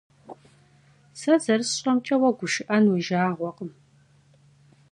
Сэ зэрысщӀэмкӀэ, уэ гушыӀэн уи жагъуэкъым.